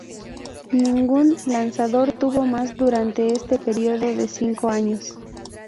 Ningún lanzador tuvo más durante este período de cinco años.